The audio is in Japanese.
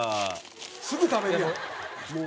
すぐ食べるやんもう。